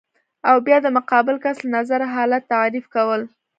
او بیا د مقابل کس له نظره حالت تعریف کول